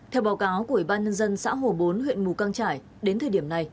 theo báo cáo của ủy ban nhân dân xã hồ bốn huyện mù căng trải đến thời điểm này